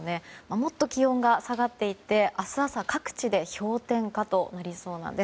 もっと気温が下がって明日朝は各地で氷点下となりそうです。